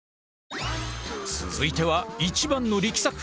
続いては一番の力作。